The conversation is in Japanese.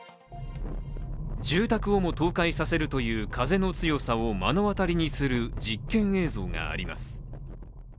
住宅をも倒壊させるという風の強さを目の当たりにする実験映像があります。